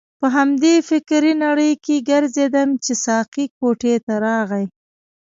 په همدې فکرې نړۍ کې ګرځیدم چې ساقي کوټې ته راغی.